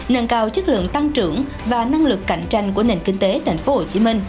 nâng cao chất lượng tăng trưởng và năng lực cạnh tranh của nền kinh tế tp hcm